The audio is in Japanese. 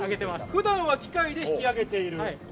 普段は機械で引き揚げている。